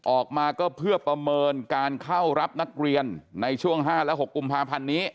ออกมาก็เพื่อประเมินการเข้ารับนักเรียนในช่วง๕และ๖กุมภาพันธ์นี้